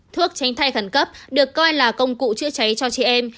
thuốc tránh thai khẩn cấp được coi là công cụ chữa cháy cho chị em